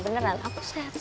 beneran aku sehat sehat mas